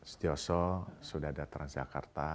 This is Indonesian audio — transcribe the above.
setioso sudah ada transjakarta